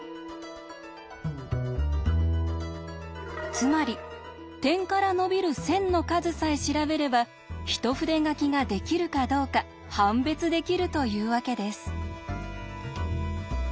つまり点から伸びる線の数さえ調べれば一筆書きができるかどうか判別できるというわけです。